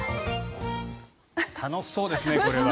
楽しそうですね、これは。